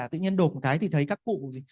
tự nhiên đột một cái thì thấy các cụ